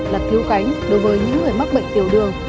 là thiếu cánh đối với những người mắc bệnh tiểu đường